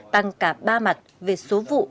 tăng cả ba mặt về số vụ